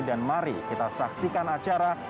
dan mari kita saksikan acara